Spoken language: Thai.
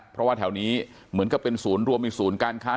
เพราะว่าแถวนี้เหมือนกับเป็นศูนย์รวมมีศูนย์การค้า